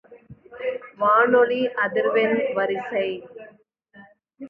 வானொலி அதிர்வெண் வரிசை.